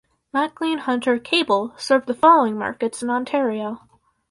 Maclean-Hunter Cable served the following markets in Ontario.